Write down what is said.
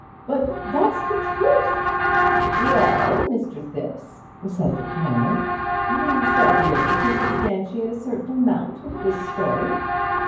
But that's the truth." "Well, Mr. Thipps," said the Coroner, "we shall be able to substantiate a certain amount of this story.